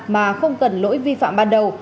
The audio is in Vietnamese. mà không cần lỗi vi phạm ban đầu